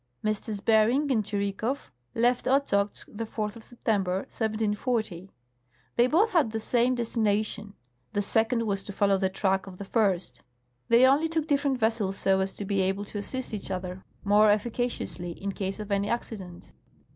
" MM. Bering and Tschirikow left Ochozk the 4th of September, 1740. They both had the same destination ; the second was to follow the track of the first. They only took different vessels so as to be able to assist each other niore efficaciously in case of any accident.